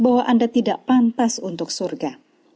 bahwa anda tidak pantas untuk surga